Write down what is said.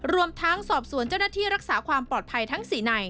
รวมทั้งสอบสวนเจ้าหน้าที่รักษาความปลอดภัยทั้ง๔นาย